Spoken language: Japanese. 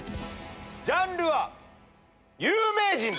ジャンルは有名人です。